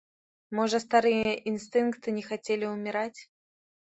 Можа, старыя інстынкты не хацелі ўміраць?